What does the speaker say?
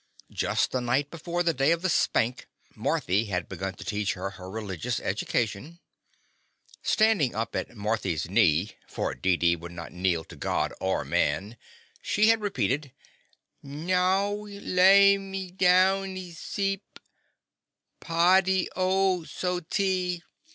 Just the night before the day of the Spank, Marthy had begun to teach her her religious education. Standin' up at Marth/s knee — for Deedee would not kneel to God or man — she had repeated :— "Nowee laimee downee seep, Padee O so tee.''